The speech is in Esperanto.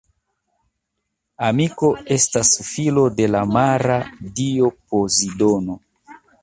Amiko estis filo de la mara dio Pozidono.